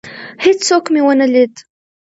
هیڅوک مي ونه لید.